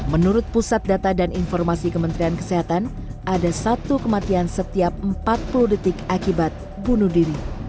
menurut pusat data dan informasi kementerian kesehatan ada satu kematian setiap empat puluh detik akibat bunuh diri